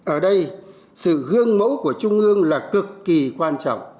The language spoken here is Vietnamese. ở đây sự gương mẫu của trung ương là cực kỳ quan trọng